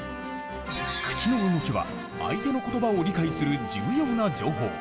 口の動きは相手の言葉を理解する重要な情報。